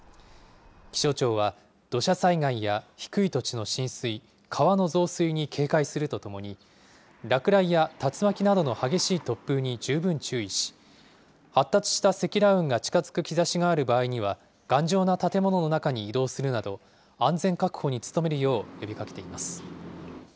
気象庁は、土砂災害や低い土地の浸水、川の増水に警戒するとともに、落雷や竜巻などの激しい突風に十分注意し、発達した積乱雲が近づく兆しがある場合には、頑丈な建物の中に移動するなど、安全確保に努めるよう呼びかけています。